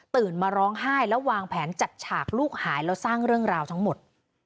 มาร้องไห้แล้ววางแผนจัดฉากลูกหายแล้วสร้างเรื่องราวทั้งหมด